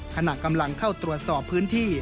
ขณะกำลังเข้าตรวจสอบพื้นที่